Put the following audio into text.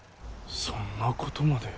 そんなことまで。